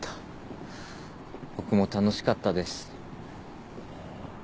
僕も楽しかったです。